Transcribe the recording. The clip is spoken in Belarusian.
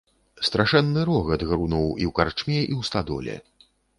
Страшэнны рогат грунуў і ў карчме і ў стадоле.